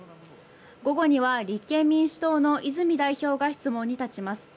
午後には立憲民主党の泉代表が質問に立ちます。